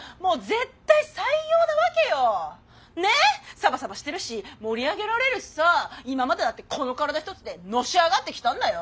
サバサバしてるし盛り上げられるしさ今までだってこの体一つでのし上がってきたんだよ！